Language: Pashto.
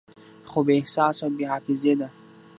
خو بې احساسه او بې حافظې ده